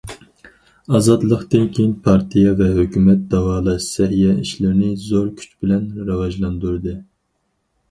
ئازادلىقتىن كېيىن پارتىيە ۋە ھۆكۈمەت داۋالاش، سەھىيە ئىشلىرىنى زور كۈچ بىلەن راۋاجلاندۇردى.